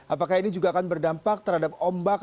apakah ini juga akan berdampak terhadap ombak